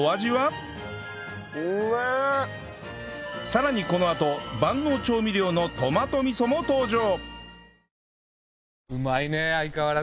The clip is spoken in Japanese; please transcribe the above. さらにこのあと万能調味料のトマト味噌も登場